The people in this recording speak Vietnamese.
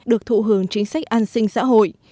được thụ hưởng chính sách an sinh xã hội